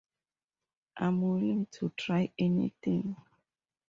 I'm willing to try anything.